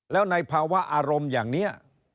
แล้วในภาวะอารมณ์อย่างนี้